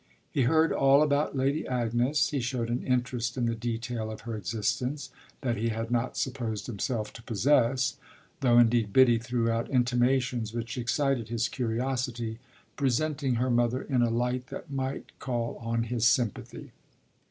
He heard all about Lady Agnes; he showed an interest in the detail of her existence that he had not supposed himself to possess, though indeed Biddy threw out intimations which excited his curiosity, presenting her mother in a light that might call on his sympathy.